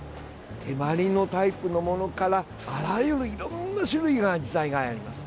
手まりのタイプのものからあらゆる、いろんな種類のアジサイがあります。